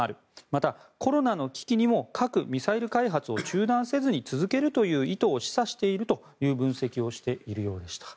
また、コロナの危機にも核・ミサイル開発を中断せずに続けるという意図を示唆しているという分析をしているようでした。